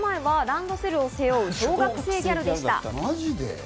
４か月前はランドセルを背負う小学生ギャルでした。